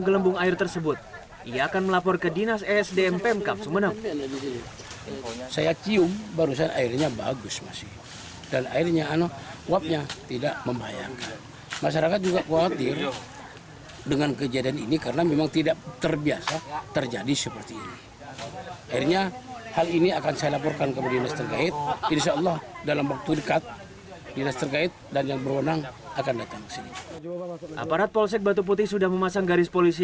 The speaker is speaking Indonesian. harian tiga harian lalu tiga harian lalu ini tiga harian lalu ini juga sudah jadi terjadi di atas gelombung air tersebut ia akan melapor ke dinas esdm pemka sumeneb saya cium barusan airnya bagus masih dan airnya anu uapnya tidak membayangkan masyarakat juga khawatir dengan kejadian ini karena memang tidak terbiasa terjadi seperti ini akhirnya hal ini akan saya laporkan kemudian disegai insyaallah dalam waktu dekat dinas terkait dan yang berwenang akan datang ke sini aparat polsek batu putih sudah memasang garis polisi